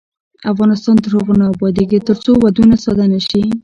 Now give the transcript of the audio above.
افغانستان تر هغو نه ابادیږي، ترڅو ودونه ساده نشي.